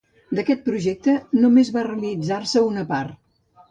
D'aquest projecte només va realitzar-se una part.